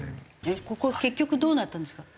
ここ結局どうなったんですか？